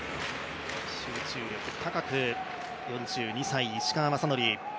集中力高く、４２歳、石川雅規